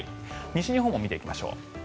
西日本も見ていきます。